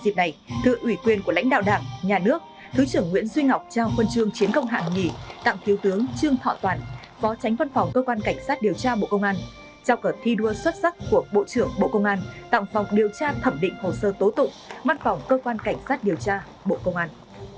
phát biểu chỉ đạo hội nghị thứ trưởng nguyễn duy ngọc biểu dương chiến công và thành tích xuất sắc trong công tác của toàn thể lãnh đạo và cán bộ chiến sĩ văn phòng cơ quan cảnh sát điều tra bộ công an